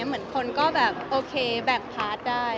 เหมือนคนก็แบบโอเคแบ่งพาร์ทได้